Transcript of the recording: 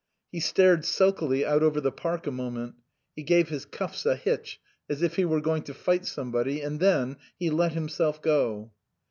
He stared sulkily out over the park a moment ; he gave his cuffs a hitch as if he were going to fight somebody, and then he let himself go.